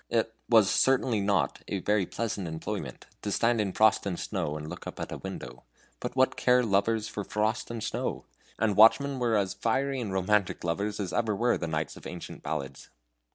It was certainly not a very pleasant employment to stand in frost and snow and look up at a window; but what care lovers for frost and snow? And watchmen are as fiery and romantic lovers as ever were the knights of ancient ballads.